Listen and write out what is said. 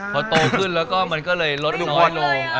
พอโตขึ้นแล้วมันก็เลยลดน้อยลง